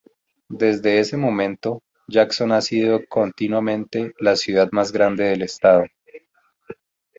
Desde ese momento, Jackson ha sido continuamente la ciudad más grande del estado.